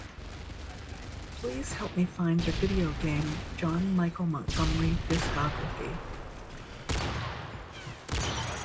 Please help me find the video game John Michael Montgomery discography.